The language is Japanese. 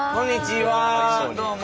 どうも。